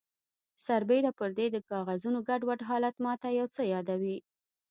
سربیره پردې د کاغذونو ګډوډ حالت ماته یو څه یادوي